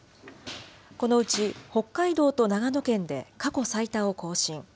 このうち北海道と長野県で過去最多を更新。